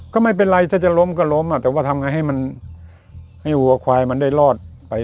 ก็ไม่เป็นไรถ้าจะล้มก็ล้มอ่ะแต่ว่าทำไงให้มันให้วัวควายมันได้รอดไป